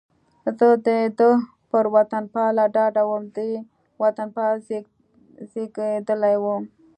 زه د ده پر وطنپالنه ډاډه وم، دی وطنپال زېږېدلی و.